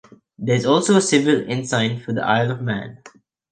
There is also a civil ensign for the Isle of Man.